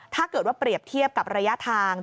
ถ้าเกิดว่าเปรียบเทียบกับระยะทาง